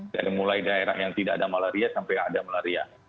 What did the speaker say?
dari mulai daerah yang tidak ada malaria sampai ada malaria